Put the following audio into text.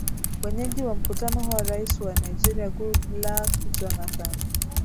wenyeji wa mkutano huo rais wa nigeria goodluck jonathan